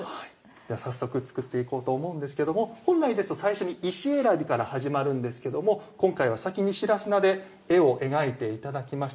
早速作っていこうと思うんですが本来ですと最初に石選びから始まるんですけども今回は先に白砂で絵を描いていただきました。